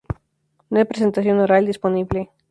No hay presentación oral disponible.